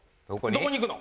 「どこに行くの」？